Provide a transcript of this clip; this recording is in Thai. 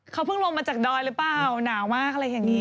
เขาเพิ่งลงมาจากดอยหรือเปล่าหนาวมากอะไรอย่างนี้